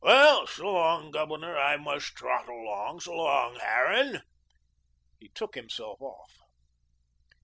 Well, s'long, Governor, I must trot along. S'long, Harran." He took himself off.